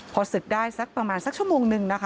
พอศึกได้ประมาณสักชั่วโมงหนึ่ง